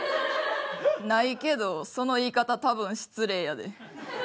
ないけどその言い方多分失礼やで。